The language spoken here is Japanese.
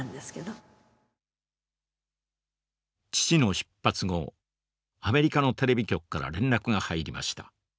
父の出発後アメリカのテレビ局から連絡が入りました。